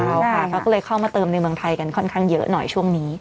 ใช่ค่ะเขาก็เลยเข้ามาเติมในเมืองไทยกันค่อนข้างเยอะหน่อยช่วงนี้